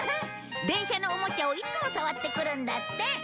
電車のおもちゃをいつも触ってくるんだって。